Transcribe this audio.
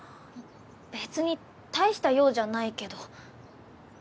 別に大した用じゃないけど。